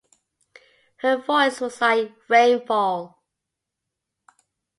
Her voice was like rainfall.